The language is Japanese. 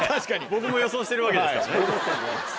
僕も予想してるわけですからね。